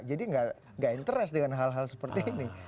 jadi gak interest dengan hal hal seperti ini